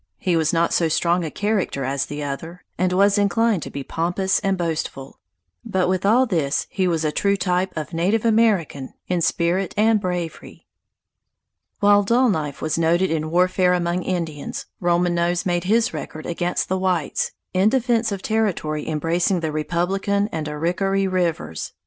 He was not so strong a character as the other, and was inclined to be pompous and boastful; but with all this he was a true type of native American in spirit and bravery. While Dull Knife was noted in warfare among Indians, Roman Nose made his record against the whites, in defense of territory embracing the Republican and Arickaree rivers.